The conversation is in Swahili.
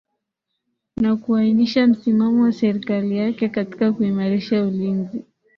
na kuainisha msimano wa serikali yake katika kuimarisha ulinzi